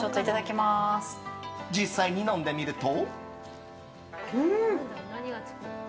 実際に飲んでみると。